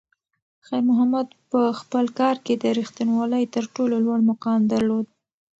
خیر محمد په خپل کار کې د رښتونولۍ تر ټولو لوړ مقام درلود.